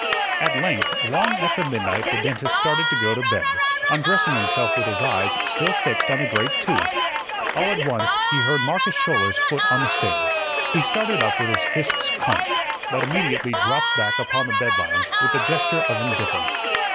At length, long after midnight, the dentist started to go to bed, undressing himself with his eyes still fixed on the great tooth. All at once he heard Marcus Schouler's foot on the stairs; he started up with his fists clenched, but immediately dropped back upon the bed lounge with a gesture of indifference.